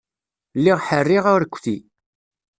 Lliɣ ḥerriɣ arekti.